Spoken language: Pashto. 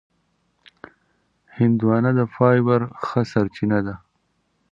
هندوانه د فایبر ښه سرچینه ده.